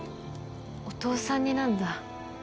お父さん似なんだ。